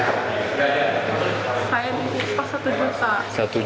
saya mengupas satu juta